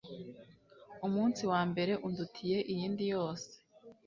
umunsi wambere undutiye iyindi yose